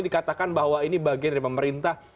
dikatakan bahwa ini bagian dari pemerintah